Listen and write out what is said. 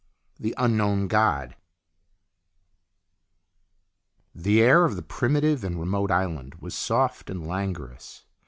THE UNKNOWN GOD THE air of the primitive and remote island was soft and languorous.